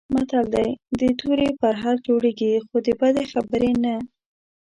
متل دی: د تورې پرهر جوړېږي، خو د بدې خبرې نه.